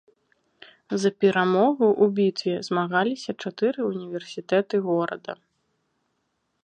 За перамогу ў бітве змагаліся чатыры ўніверсітэты горада.